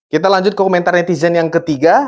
kita lanjut komentar netizen yang ketiga